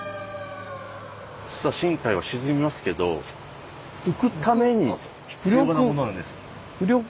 実は「しんかい」は沈みますけど浮くために必要なものなんです。